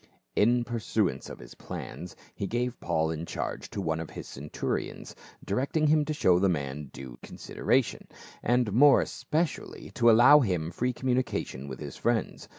In pursuance of his plans he gave Paul in charge to one of his centurions, directing him to show the man due consideration, and more especially to allow him free communication with his friends.